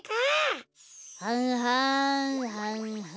はんはんはんはん。